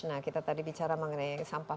nah kita tadi bicara mengenai sampah